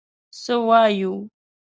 څه وایو.